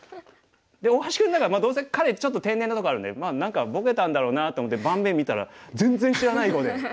で大橋君ならまあどうせ彼ちょっと天然なところあるんでまあ何かボケたんだろうなと思って盤面見たら全然知らない碁で。